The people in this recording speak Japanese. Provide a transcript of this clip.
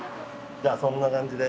じゃあそんな感じで。